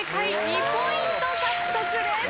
２ポイント獲得です。